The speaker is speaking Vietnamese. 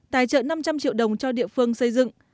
tài trợ năm trăm linh triệu đồng cho địa phương xây dựng